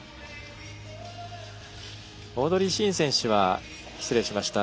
オードリー・シン選手は失礼しました。